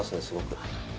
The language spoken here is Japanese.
すごく。